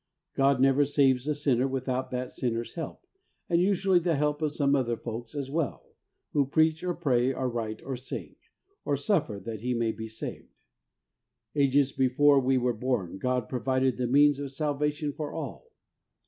God never saves a sinner without that sinner's help, and usually the help of some other folks as well, who preach or pray, or write or sing, or suffer that he may be saved. Ages before we were born God provided the means of Salvation for all.